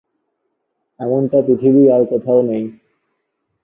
এমনটা পৃথিবীর আর কোথাও নেই।